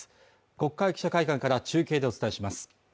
国会記者会館から中継でお伝えします